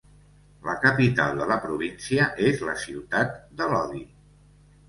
La capital de la província és la ciutat de Lodi.